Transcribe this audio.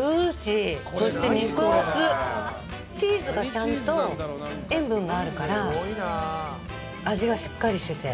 チーズがちゃんと塩分があるから味がしっかりしてて。